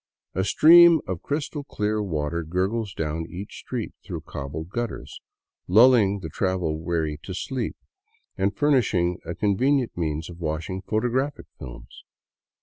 A stream of crystal clear water gurgles down each street through cobbled gutters, lulling the travel weary to sleep — and furnishing a convenient means of washing photographic films.